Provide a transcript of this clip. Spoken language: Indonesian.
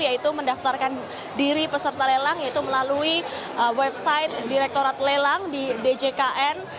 yaitu mendaftarkan diri peserta lelang yaitu melalui website direktorat lelang di djkn